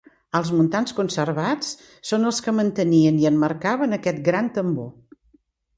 Els muntants conservats són els que mantenien i emmarcaven aquest gran tambor.